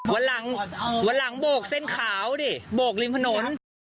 วันหลังวันหลังโบกเส้นขาวดิโบกริมถนน